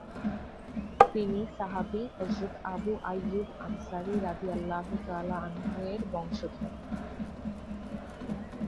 তিনি সাহাবী হযরত আবু আইয়ুব আনসারি রাঃ-এর বংশধর।